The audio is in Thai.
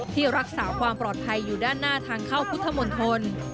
ที่รักษาความปลอดภัยอยู่ด้านหน้าทางเข้าพุทธมนตร